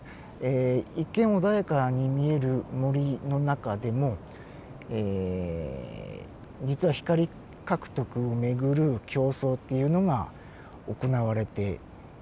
一見穏やかに見える森の中でもえ実は光獲得を巡る競争っていうのが行われています。